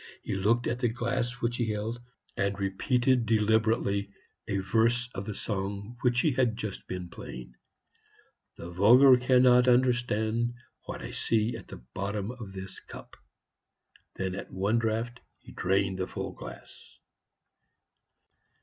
He looked at the glass which he held, and repeated deliberately a verse of the song which he had just been playing. "The vulgar cannot understand what I see at the bottom of this cup." Then, at one draught, he drained the full glass.